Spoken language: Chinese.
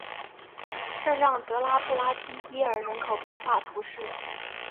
圣让德拉布拉基耶尔人口变化图示